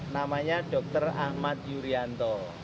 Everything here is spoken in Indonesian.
namanya dr ahmad yuryanto